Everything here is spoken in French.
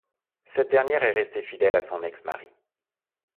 Cette dernière est restée fidèle à son ex-mari.